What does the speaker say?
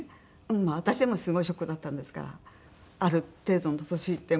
私でもすごいショックだったんですからある程度の年いっても。